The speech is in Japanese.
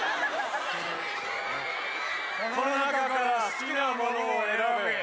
この中から好きなものを選べ。